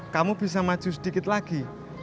kamu bisa maju sedikit lagi